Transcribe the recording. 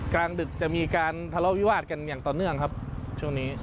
กลางดึกจะมีการทะเลาะวิวาสกันอย่างต่อเนื่องครับช่วงนี้